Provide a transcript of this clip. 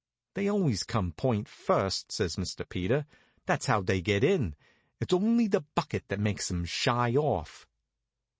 "They always come point first," says Sir Peter; "that's how they get in. It's only the bucket that makes 'em shy off."